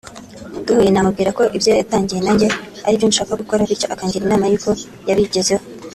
duhuye namubwira ko ibyo yatangiye nanjye aribyo nshaka gukora bityo akangira inama y’uko yabigezeho